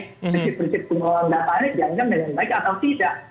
prinsip prinsip pengelolaan data ini dijalankan dengan baik atau tidak